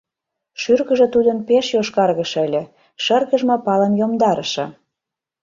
Шӱргыжӧ тудын пеш йошкаргыше ыле, шыргыжме палым йомдарыше.